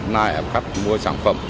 nai ẩm khách mua sản phẩm